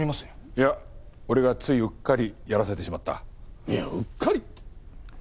いや俺がついうっかりやらせてしまった。いやうっかりって。